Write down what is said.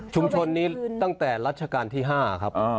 นี้ตั้งแต่รัชกาลที่๕ครับ